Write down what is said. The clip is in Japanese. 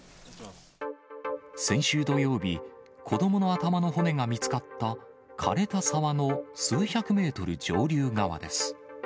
先週土曜日、子どもの頭の骨が見つかった、かれた沢の数百メートル上流側です。